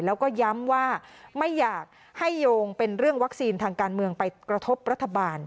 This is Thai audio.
แล้วก็ย้ำว่าไม่อยากให้โยงเป็นเรื่องวัคซีนทางการเมืองไปกระทบรัฐบาล